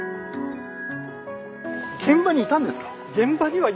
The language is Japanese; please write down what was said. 現場にいたんですか？